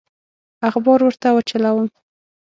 اخبار ورته وچلوم.